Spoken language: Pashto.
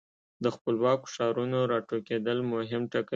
د خپلواکو ښارونو را ټوکېدل مهم ټکي وو.